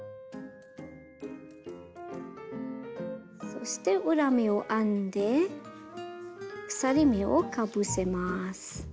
そして裏目を編んで鎖目をかぶせます。